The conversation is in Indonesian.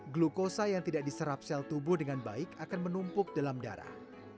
glukosa yang tidak diserap sel tubuh dengan baik akan menumpuk dalam darah